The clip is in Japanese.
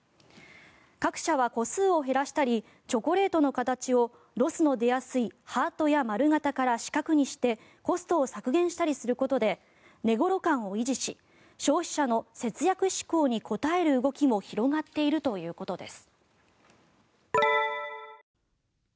各社は個数を減らしたりチョコレートの形をロスの出やすいハートや丸型から四角にしてコストを削減したりすることで値ごろ感を維持し消費者の節約志向に応える動きも広がっているということです。